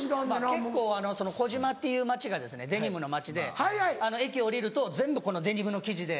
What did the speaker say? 結構児島っていう町がデニムの町で駅降りると全部デニムの生地で。